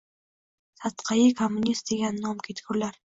Sadqai kommunist degan nom ketgurlar.